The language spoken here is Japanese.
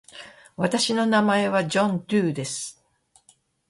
私の名前はジョン・ドゥーです。